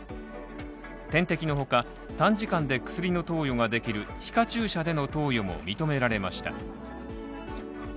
点滴のほか、短時間で薬の投与ができる皮下注射での投与も認められました。